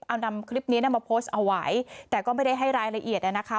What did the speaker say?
เอานำคลิปนี้มาโพสต์เอาไว้แต่ก็ไม่ได้ให้รายละเอียดนะคะ